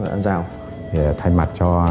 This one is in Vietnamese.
an giao thay mặt cho